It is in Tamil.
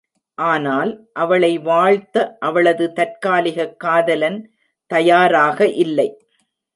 ஆனால், அவளை வாழ்த்த அவளது தற்காலிகக் காதலன் தயாராக இல்லை!